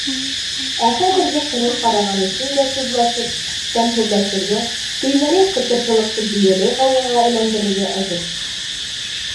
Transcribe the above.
Ә хәҙергеләр ҡырын ҡараған өсөн дә судлашып, тәмһеҙләшергә, төймәләй ҡытыршылыҡты дөйәләй ғауғаға әйләндерергә әҙер.